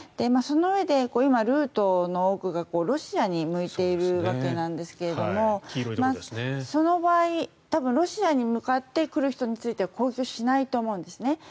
そのうえで今、ルートの多くがロシアに向いているわけなんですがその場合、ロシアに向かってくる人については攻撃をしないと思うんです。